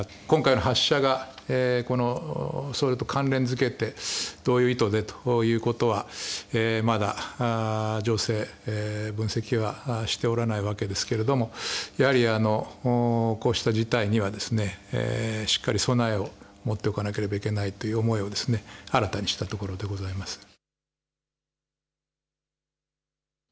今回の発射がそれと関連付けてどういう意図でということはまだ情勢、分析はしておらないわけですけれどもやはりこうした事態にはしっかり備えを持っておかなければいけないという思いを新たにしたところでございます。